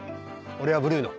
俺はブルーノ。